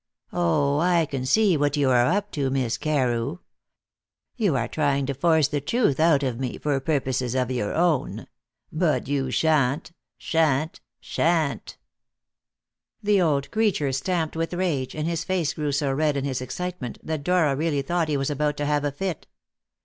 "Oh, I can see what you are up to, Miss Carew. You are trying to force the truth out of me for purposes of your own. But you shan't shan't shan't!" The old creature stamped with rage, and his face grew so red in his excitement that Dora really thought he was about to have a fit.